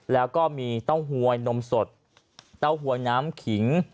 แล้วก็มีเต้าหวยนมสดเต้าหวยน้ำขิง